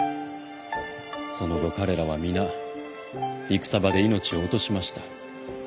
その後彼らは皆戦場で命を落としました。